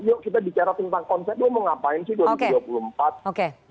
yuk kita bicara tentang konsep lo mau ngapain sih dua ribu dua puluh empat